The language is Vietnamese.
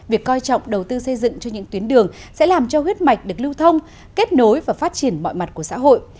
việc coi trọng đầu tư xây dựng cho những tuyến đường sẽ làm cho huyết mạch được lưu thông kết nối và phát triển mọi mặt của xã hội